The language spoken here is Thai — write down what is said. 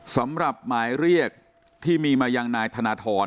สำหรับหมายเรียกที่มีมายังนายธนทร